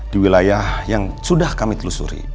di wilayah yang sudah kami telusuri